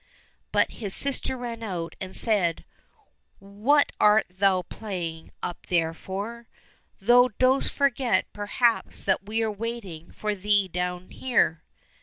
But his sister ran out and said, " What art thou playing up there for } Thou dost forget perhaps that we are wait ing for thee down here